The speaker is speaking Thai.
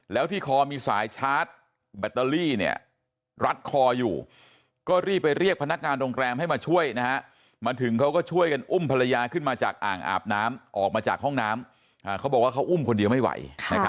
แล้วที่คอมีสายชาร์จแบตเตอรี่รัดคออยู่ก็รีบไปเรียกพนักงานโรงแรมให้มาช่วยมาถึงเขาก็ช่วยกันอุ้มภรรยาขึ้นมาจากอ่างอาบน้ำออกมาจากห้องน้ำเขาบอกว่าเขาอุ้มคนเดียวไม่ไหว